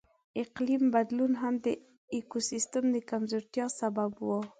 اقلیم بدلون هم د ایکوسیستم د کمزورتیا سبب و.